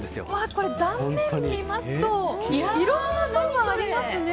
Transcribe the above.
これ、断面見ますといろんな層がありますね。